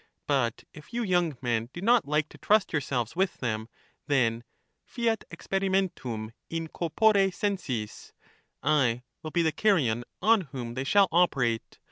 But if you young men do not like to trust yourselves with them, then fiat experi mentum in corpore senis; I will be the Carian on whom they shall operate.